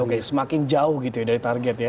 oke semakin jauh gitu ya dari target ya